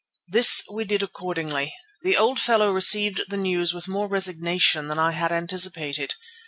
This we did accordingly. The old fellow received the news with more resignation than I had anticipated.